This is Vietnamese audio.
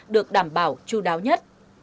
được đảm bảo chú đáo nhất